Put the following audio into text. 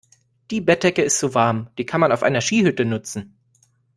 Die Bettdecke ist zu warm. Die kann man auf einer Skihütte nutzen.